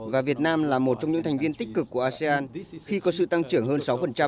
và việt nam là một trong những thành viên tích cực của asean khi có sự tăng trưởng hơn sáu